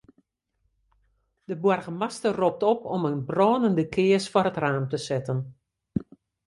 De boargemaster ropt op om in brânende kears foar it raam te setten.